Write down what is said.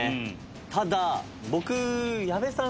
ただ僕矢部さん